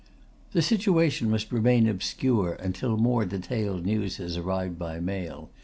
The situation must remain obscure until more detailed news has arrived by mail.